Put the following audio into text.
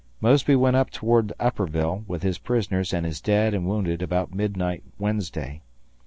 Mosby went up toward Upperville with his prisoners and his dead and wounded about midnight Wednesday.